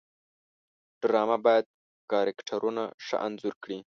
ډرامه باید کرکټرونه ښه انځور کړي